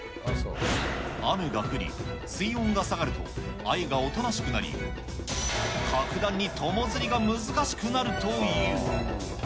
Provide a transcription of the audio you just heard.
雨が降り、水温が下がると、あゆがおとなしくなり、格段に友釣りが難しくなるという。